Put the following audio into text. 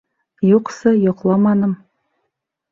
- Юҡсы, йоҡламаным...